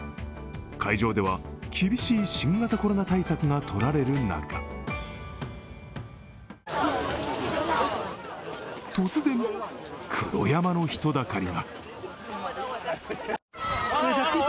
会場では厳しい新型コロナ対策がとられる中突然、黒山の人だかりが。